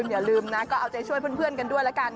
อย่าลืมนะก็เอาใจช่วยเพื่อนกันด้วยละกัน